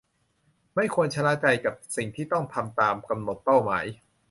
ไม่ควรชะล่าใจกับสิ่งที่ต้องทำตามกำหนดเป้าหมาย